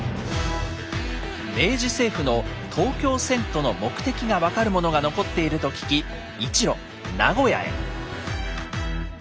明治政府の東京遷都の目的が分かるものが残っていると聞き一路名古屋へ。